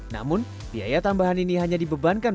namun biaya tambahan ini hanya dibebankan